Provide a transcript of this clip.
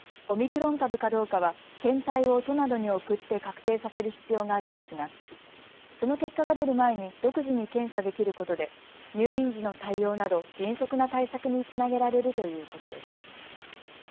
オミクロン株かどうかは検体を都などに送って確定させる必要がありますがその結果が出る前に独自に検査できることで入院時の対応など迅速な対策につなげられるということです。